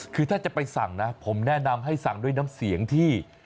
คือถ้าจะไปสั่งนะผมแนะนำให้สั่งด้วยน้ำเสียงที่